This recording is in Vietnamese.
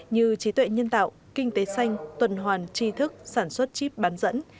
như trí tuệ nhân tạo kinh tế xanh tuần hoàn tri thức sản xuất chip bán dẫn